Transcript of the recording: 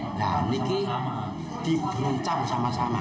nah ini diberancang sama sama